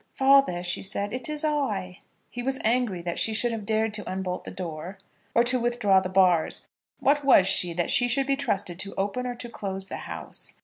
"Father," she said; "it is I." He was angry that she should have dared to unbolt the door, or to withdraw the bars. What was she, that she should be trusted to open or to close the house?